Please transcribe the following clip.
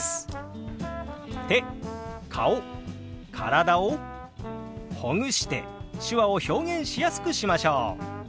手顔体をほぐして手話を表現しやすくしましょう！